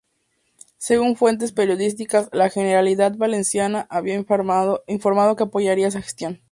Según fuentes periodísticas, la Generalidad Valenciana habría informado que apoyaría esa gestión.